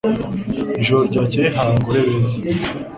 Ijoro ryakeye hari abagore beza.